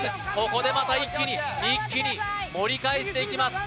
ここでまた一気に一気に盛り返していきます